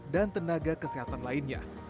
dan tenaga kesehatan lainnya